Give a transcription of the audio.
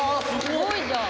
すごいじゃん。